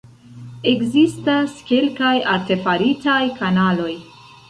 Ekzistas kelkaj artefaritaj kanaloj.